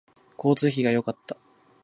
交通費が良かった